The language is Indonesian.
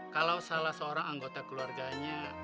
kalau salah seorang anggota keluarganya